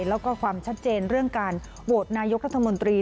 แล้วก็ความชัดเจนเรื่องการโหวตนายกรัฐมนตรี